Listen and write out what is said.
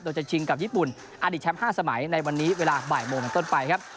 โดยจะชิงกับญี่ปุ่นอดีตแชมป์๕สมัยในวันนี้เวลาบ่ายโมงเป็นต้นไปครับ